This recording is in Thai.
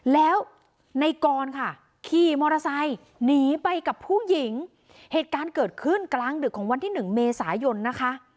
เดี๋ยวจะมาเล่าไว้ไฟฟะ